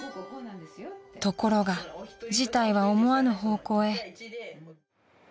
［ところが事態は思わぬ方向へ］